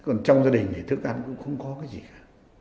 còn trong gia đình thì thức ăn cũng không có cái gì cả